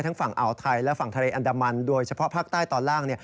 ฝั่งอ่าวไทยและฝั่งทะเลอันดามันโดยเฉพาะภาคใต้ตอนล่าง